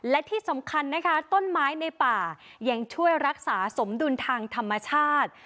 และที่สำคัญนะคะต้นไม้ในป่ายังช่วยรักษาสมดุลทางธรรมชาติ